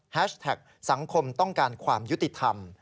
แท็กสังคมต้องการความยุติธรรม